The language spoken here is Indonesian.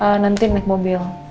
yaudah nanti naik mobil